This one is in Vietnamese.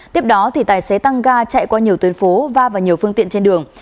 tiếp đó tài xế tăng ga chạy qua nhiều tuyến phố va vào nhiều phương tiện trên đường